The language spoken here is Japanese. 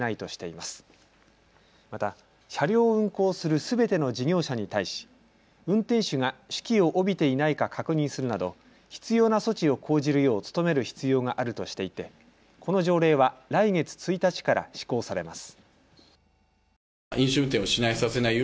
また車両を運行するすべての事業者に対し運転手が酒気を帯びていないか確認するなど必要な措置を講じるよう努める必要があるとしていてこの条例は来月１日から施行されます。